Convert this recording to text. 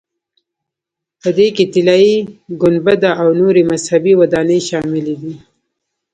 په دې کې طلایي ګنبده او نورې مذهبي ودانۍ شاملې دي.